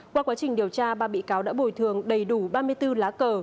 qua quá trình điều tra ba bị cáo đã bồi thường đầy đủ ba mươi bốn lá cờ